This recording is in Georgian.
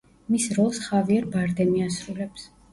მის როლს ხავიერ ბარდემი ასრულებს.